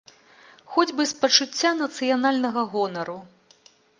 Хоць бы з пачуцця нацыянальнага гонару.